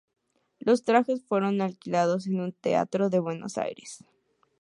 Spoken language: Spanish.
Los trajes fueron alquilados en un teatro en Buenos Aires.